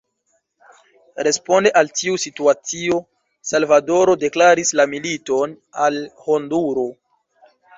Responde al tiu situacio, Salvadoro deklaris la militon al Honduro.